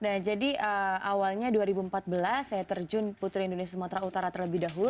nah jadi awalnya dua ribu empat belas saya terjun putri indonesia sumatera utara terlebih dahulu